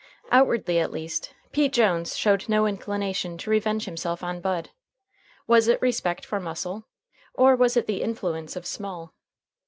Outwardly at least Pete Jones showed no inclination to revenge himself on Bud. Was it respect for muscle, or was it the influence of Small?